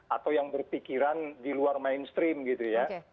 atau yang berpikiran di luar mainstream gitu ya